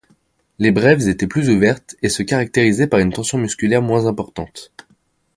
Les brèves étaient plus ouvertes et se caractérisaient par une tension musculaire moins importante.